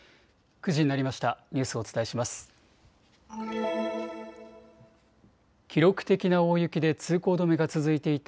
９時になりました。